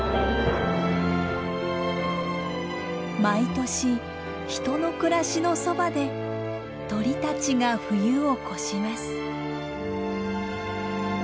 毎年人の暮らしのそばで鳥たちが冬を越します。